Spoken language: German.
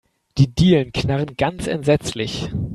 Die Dielen knarren ganz entsetzlich.